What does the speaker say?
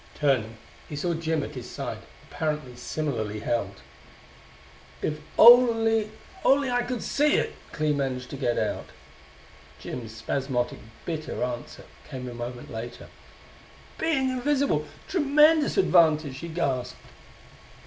Turning, he saw Jim at his side, apparently similarly held. "If I could only see it!" Clee managed to get out. Jim's spasmodic, bitter answer came a moment later. "Being invisible tremendous advantage!" he gasped.